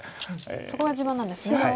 そこが自慢なんですね。